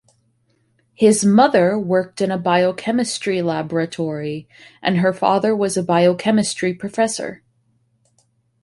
His mother worked in a biochemistry laboratory, and her father was a biochemistry professor.